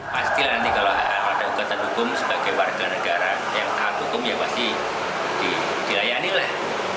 pastilah nanti kalau ada ugatan hukum sebagai warga negara yang taat hukum ya pasti dilayani lah